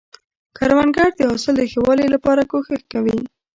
کروندګر د حاصل د ښه والي لپاره کوښښ کوي